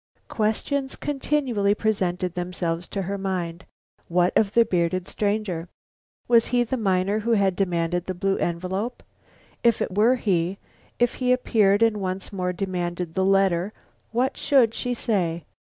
Questions continually presented themselves to her mind. What of the bearded stranger? Was he the miner who had demanded the blue envelope? If it were he; if he appeared and once more demanded the letter, what should she say?